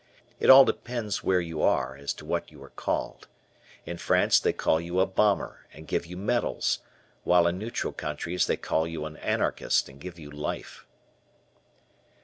It all depends where you are as to what you are called. In France they call you a "bomber" and give you medals, while in neutral countries they call you an anarchist and give you "life."